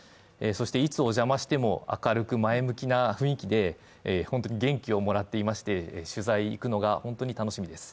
いつお邪魔しても明るく前向きな雰囲気で本当に元気をもらっていまして取材に行くのが本当に楽しみです。